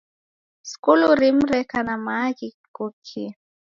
Skulu rimu reka na maaghi ghighokie.